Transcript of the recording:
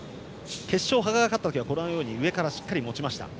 決勝、羽賀が勝った時は上からしっかり持ちました。